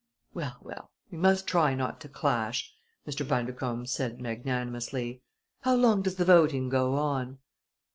"Well, well! We must try not to clash," Mr. Bundercombe said magnanimously. "How long does the voting go on?"